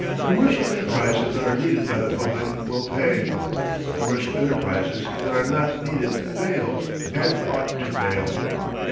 Commercial enterprises that are needed by the public will pay. Commercial enterprises that are not needed fail, and ought to fail.